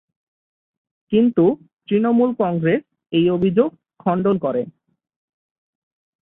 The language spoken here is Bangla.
কিন্তু তৃণমূল কংগ্রেস এই অভিযোগ খণ্ডন করে।